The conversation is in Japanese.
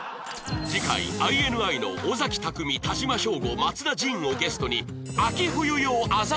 次回 ＩＮＩ の尾崎匠海田島将吾松田迅をゲストに